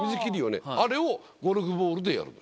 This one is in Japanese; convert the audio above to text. あれをゴルフボールでやるの。